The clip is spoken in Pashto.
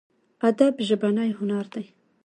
ادب ژبنی هنر دی.